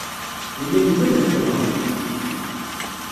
Yella yuggad ad t-tenɣeḍ.